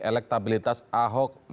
elektabilitas ahok dan pdi perjuangan